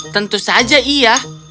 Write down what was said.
tentu saja iya